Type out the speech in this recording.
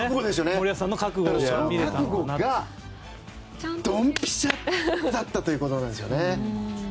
その覚悟がドンピシャだったということなんですよね。